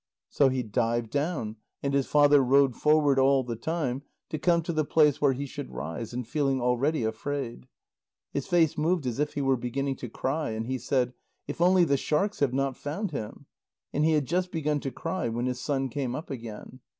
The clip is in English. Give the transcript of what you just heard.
So he dived down, and his father rowed forward all the time, to come to the place where he should rise, and feeling already afraid. His face moved as if he were beginning to cry, and he said: "If only the sharks have not found him!" And he had just begun to cry when his son came up again.